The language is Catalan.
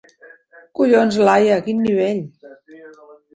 Collons, Laia, quin nivell!